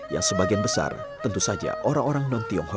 yang sebagian besar tentu saja orang orang non tionghoa